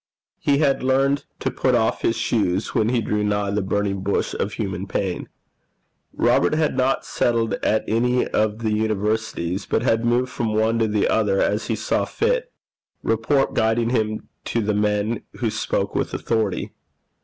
He had learned to put off his shoes when he drew nigh the burning bush of human pain. Robert had not settled at any of the universities, but had moved from one to the other as he saw fit, report guiding him to the men who spoke with authority.